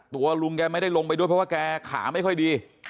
ตัวลุงแกไม่ได้ลงไปด้วยเพราะว่าแกขาไม่ค่อยดี